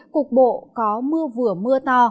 cục bộ có mưa vừa mưa to